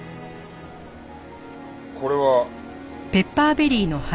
これは？